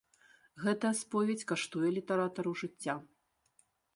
Гэтая споведзь каштуе літаратару жыцця.